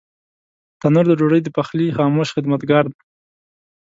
تنور د ډوډۍ د پخلي خاموش خدمتګار دی